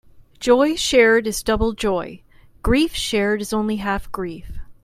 Joy shared is double joy; grief shared is only half grief.